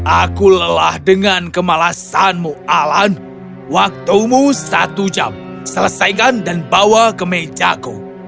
aku lelah dengan kemalasanmu alan waktumu satu jam selesaikan dan bawa ke mejaku